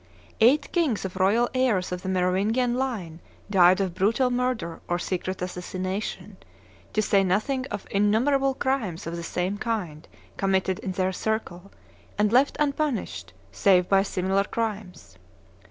Eight kings or royal heirs of the Merovingian line died of brutal murder or secret assassination, to say nothing of innumerable crimes of the same kind committed in their circle, and left unpunished, save by similar crimes.